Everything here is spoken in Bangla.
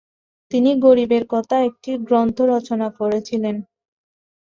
তিনি 'গরীবের কথা' একটি গ্রন্থ রচনা করেছিলেন।